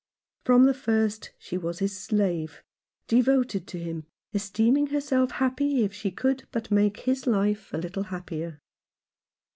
From the first she was his slave — devoted to him, esteeming herself happy if she could but make his life a little happier.